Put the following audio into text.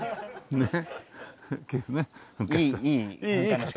ねっ。